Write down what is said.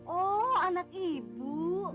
oh anak ibu